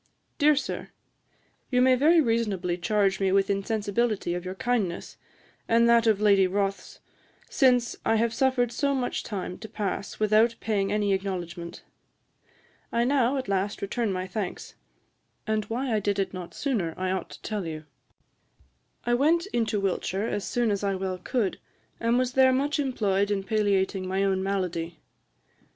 'Dear Sir, You may very reasonably charge me with insensibility of your kindness, and that of Lady Rothes, since I have suffered so much time to pass without paying any acknowledgement. I now, at last, return my thanks; and why I did it not sooner I ought to tell you. I went into Wiltshire as soon as I well could, and was there much employed in palliating my own malady.